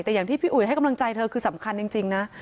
แต่อย่างที่พี่อุ๋ยให้กำลังใจเธอคือสำคัญจริงนะ